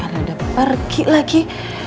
el udah pergi lagi